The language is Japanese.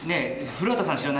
古畑さん知らない？